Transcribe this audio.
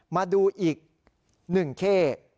มาดูอีก๑เข้